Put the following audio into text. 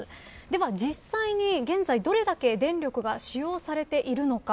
では、実際に現在どれだけ電力が使用されているのか。